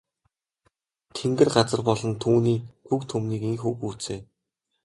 Тэнгэр газар болон түүний түг түмнийг ийнхүү гүйцээв.